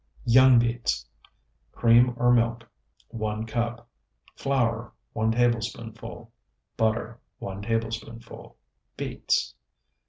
YOUNG BEETS Cream or milk, 1 cup. Flour, 1 tablespoonful. Butter, 1 tablespoonful. Beets.